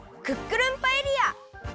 クックルンパエリア！